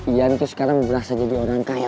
iya itu sekarang berasa jadi orang kaya